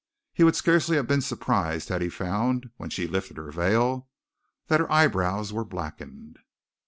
He would scarcely have been surprised had he found, when she lifted her veil, that her eyebrows were blackened.